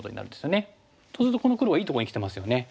そうするとこの黒はいいとこにきてますよね。